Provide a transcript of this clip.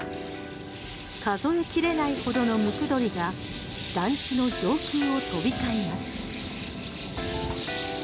数え切れないほどのムクドリが団地の上空を飛び交います。